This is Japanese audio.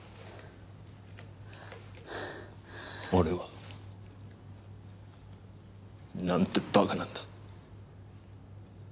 俺はなんて馬鹿なんだ。